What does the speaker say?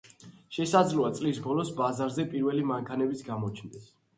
შესაძლოა წლის ბოლოს, ბაზარზე პირველი მანქანებიც გამოჩნდეს.